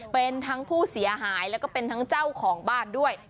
เป็นทั้งผู้เสียหายแล้วก็เป็นทั้งเจ้าของบ้านด้วย